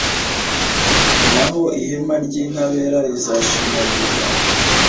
naho ihema ry’intabera rizashimangirwa